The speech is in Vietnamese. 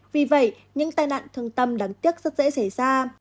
vì vậy những tai nạn thương tâm đáng tiếc rất dễ xảy ra